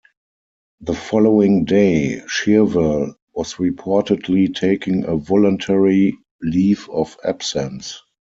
The following day, Shirvell was reportedly taking a voluntary leave of absence.